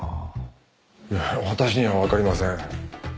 いや私にはわかりません。